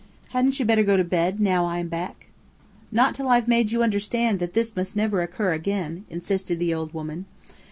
"Hadn't you better go to bed now I am back?" "Not till I've made you understand that this must never occur again," insisted the old woman.